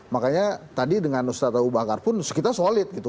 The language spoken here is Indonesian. makanya tadi dengan ustazah uba akar pun sekitar solid gitu